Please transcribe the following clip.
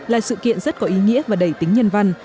là sự kiện rất có ý nghĩa và đầy tính nhân văn